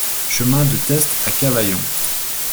Chemin de Teste à Cavaillon